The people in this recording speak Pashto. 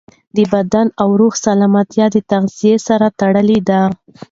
د بدن او روح سالمیت د تغذیې سره تړلی دی.